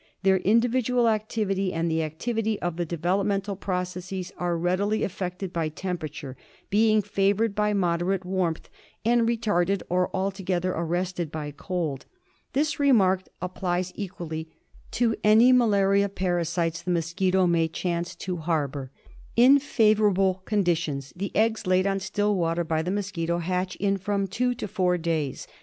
Their individual activity and the activity of the developmental processes are readily affected by temperature, being favoured by moderate warmth, and retarded or altogether arrested by cold. This remark applies equally to any malaria parasites the mosquito may chance to harbour. In favourable conditions the eggs laid on still water by the mosquito hatch in from two to four days.